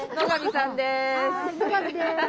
野上です！